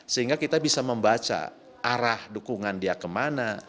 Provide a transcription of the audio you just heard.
sehingga kita bisa membaca arah dukungan dia kemana